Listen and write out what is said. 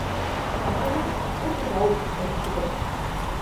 Azkenean, huts eta huts egin zuten.